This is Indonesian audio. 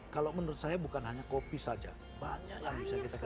kalau menurut saya bukan hanya kopi saja banyak yang bisa kita kenal